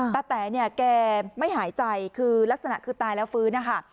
แต๋เนี่ยแกไม่หายใจคือลักษณะคือตายแล้วฟื้นนะคะ